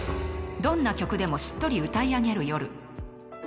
どんな曲でもしっとり歌い上げる夜。